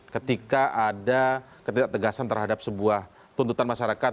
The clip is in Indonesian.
ketika ada ketidak tegasan terhadap sebuah tuntutan masyarakat